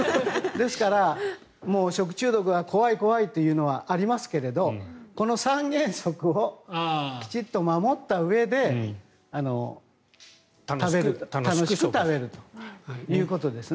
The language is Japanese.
ですから、食中毒は怖い怖いというのはありますがこの３原則をきちっと守ったうえで楽しく食べるということです。